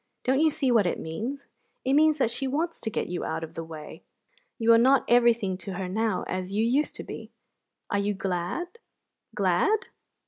"Don't you see what it means? It means that she wants to get you out of the way! You are not everything to her now as you used to be. Are you glad, glad?"